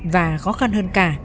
và khó khăn hơn cả